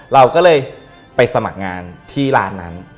เราก็เลยไปสมัครงานที่ร้านนั้น